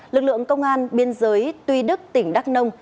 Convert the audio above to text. lực lượng công an biên giới tuy đức tỉnh đắk nông